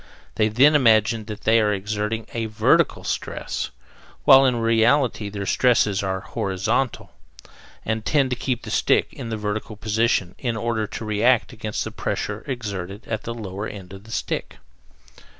They then imagine that they are exerting a VERTICAL stress, while in reality their stresses are HORIZONTAL and tend to keep the stick in a vertical position in order to react against the pressure exerted at the lower end of the stick.